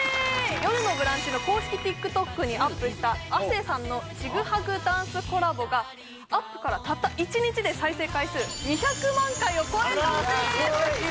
「よるのブランチ」の公式ＴｉｋＴｏｋにアップした亜生さんのチグハグダンスコラボがアップからたった１日で再生回数２００万回を超えたんです！